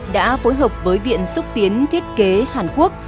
đã phối hợp với viện xúc tiến thiết kế hàn quốc